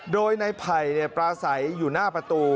โดยในไผ่ปลาใสอยู่หน้าประตู